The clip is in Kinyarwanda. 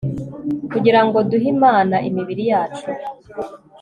Kugira ngo duhe Imana imibiri yacu